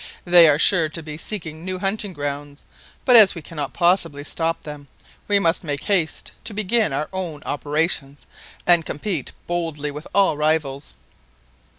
"They are sure to be seeking new hunting grounds. But as we cannot possibly stop them, we must make haste to begin our own operations, and compete boldly with all rivals."